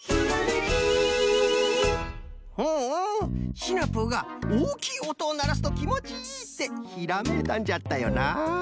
シナプーが「おおきいおとをならすときもちいい」ってひらめいたんじゃったよな！